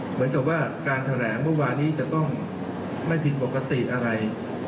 เหมือนกับว่าการแถลงเมื่อวานนี้จะต้องไม่ผิดปกติอะไร